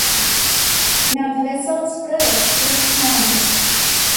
Now the vessel skirts the strand.